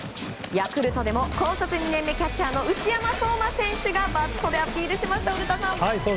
ヤクルトでも高卒２年目キャッチャーの内山壮真選手がバットでアピールしました古田さん。